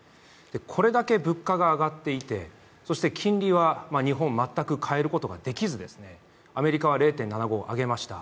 これだけ物価が上がっていて、そして金利は日本、全く変えることができずアメリカは０．７５上げました。